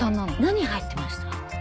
何入ってました？